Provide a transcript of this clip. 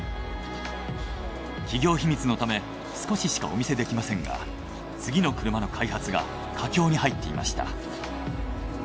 企業秘密のため少ししかお見せできませんが次の車の開発が佳境に入っていました。